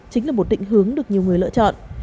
chính là một định hướng được nhiều người lựa chọn